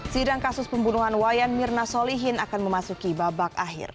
sidang kasus pembunuhan wayan mirna solihin akan memasuki babak akhir